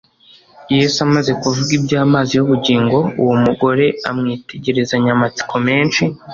Yesu amaze kuvuga iby'amazi y'ubugingo, uwo mugore amwitegerezanya amatsiko menshi.